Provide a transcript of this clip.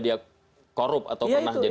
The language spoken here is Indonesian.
dia korup atau pernah jadi